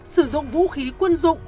sử dụng vũ khí quân dụng